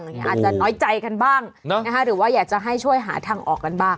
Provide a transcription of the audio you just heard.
อาจจะน้อยใจกันบ้างหรือว่าอยากจะให้ช่วยหาทางออกกันบ้าง